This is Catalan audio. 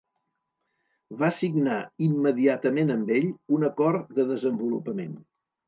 Va signar immediatament amb ell un acord de desenvolupament.